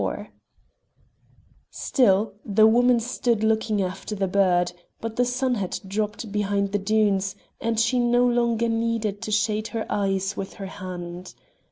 XXXIV Still the woman stood looking after the bird, but the sun had dropped behind the dunes, and she no longer needed to shade her eyes with her hand.